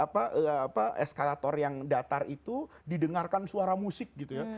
apa eskalator yang datar itu didengarkan suara musik gitu ya